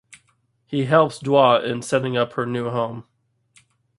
He helps Dua in setting up her new home.